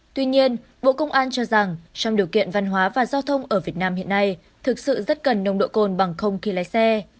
tuy nhiên bộ công an cho rằng trong điều kiện văn hóa và giao thông ở việt nam hiện nay thực sự rất cần nồng độ cồn bằng không khi lái xe